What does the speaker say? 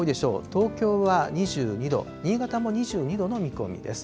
東京は２２度、新潟も２２度の見込みです。